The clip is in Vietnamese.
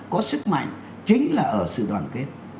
có sức mạnh chính là ở sự đoàn kết